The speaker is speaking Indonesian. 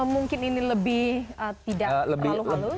mungkin ini lebih tidak terlalu halus